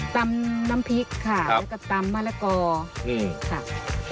ตำน้ำพริกค่ะแล้วก็ตำมะละกอ